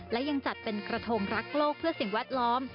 และยังจัดเป็นกระทงรักโลกเพื่อสิ่งแวดล้อม